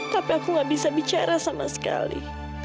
tapi aku gak bisa bicara sama sekali